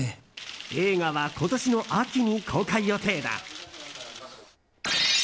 映画は今年の秋に公開予定だ。